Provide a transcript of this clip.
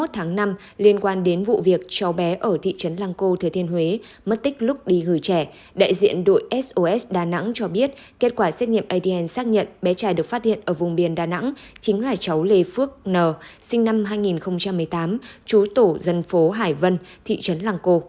hai mươi tháng năm liên quan đến vụ việc cháu bé ở thị trấn lăng cô thừa thiên huế mất tích lúc đi gửi trẻ đại diện đội sos đà nẵng cho biết kết quả xét nghiệm adn xác nhận bé trai được phát hiện ở vùng biển đà nẵng chính là cháu lê phước n sinh năm hai nghìn một mươi tám chú tổ dân phố hải vân thị trấn lăng cô